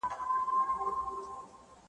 اوس به څوک په لپو لپو د پېغلوټو دیدن غلا کړي ,